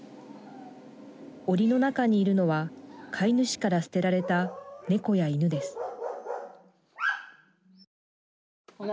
おりの中にいるのは飼い主から捨てられた犬や猫です。